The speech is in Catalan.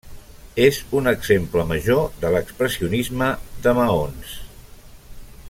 És un exemple major de l'expressionisme de maons.